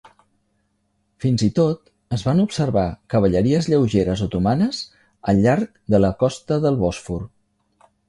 Fins i tot es van observar cavalleries lleugeres otomanes al llarg de la costa del Bòsfor.